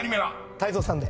泰造さんで。